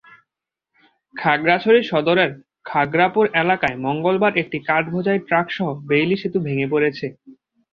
খাগড়াছড়ি সদরের খাগড়াপুর এলাকায় মঙ্গলবার একটি কাঠবোঝাই ট্রাকসহ বেইলি সেতু ভেঙে পড়েছে।